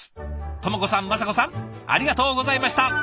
知子さん正子さんありがとうございました。